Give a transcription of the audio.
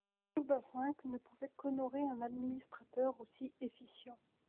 Urbain V ne pouvait qu’honorer un administrateur aussi efficient.